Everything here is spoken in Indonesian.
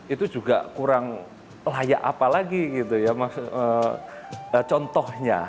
itu juga kurang layak apa lagi gitu ya contohnya